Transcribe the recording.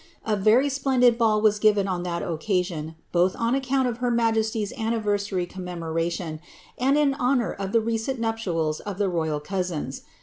Avery splendid ball was given on that occasion, both on account of her majesty's anniversary commemoration, and in honour of the recent nup* tials of tlie royal cousins.